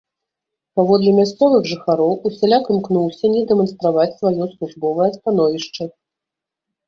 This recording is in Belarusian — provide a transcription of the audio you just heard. Паводле мясцовых жыхароў, усяляк імкнуўся не дэманстраваць сваё службовае становішча.